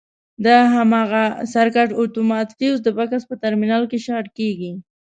د هماغه سرکټ اتومات فیوز د بکس په ترمینل کې شارټ کېږي.